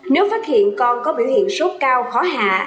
nếu phát hiện con có biểu hiện sốt cao khó hạ